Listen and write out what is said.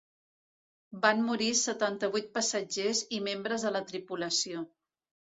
Van morir setanta-vuit passatgers i membres de la tripulació.